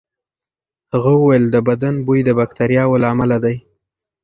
هغه وویل د بدن بوی د باکتریاوو له امله دی.